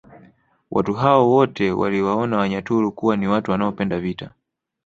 Watu hao wote waliwaona Wanyaturu kuwa ni watu wanaopenda vita